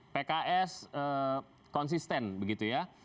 pks konsisten begitu ya